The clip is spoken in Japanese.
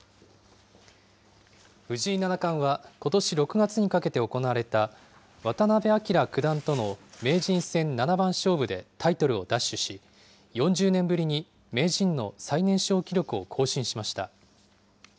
藤井七冠は、ことし６月にかけて行われた渡辺明九段との名人戦七番勝負でタイトルを奪取し、４０年ぶりに名人の最年少記録を更新しました。